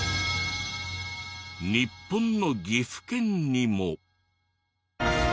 日本の岐阜県にも。